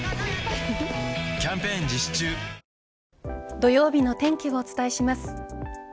土曜日の天気をお伝えします。